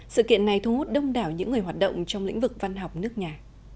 sự kiện này thu hút đông đảo những người hoạt động trong lĩnh vực văn học nước nhà